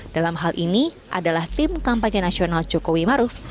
dalam hal ini adalah tim kampanye nasional jokowi maruf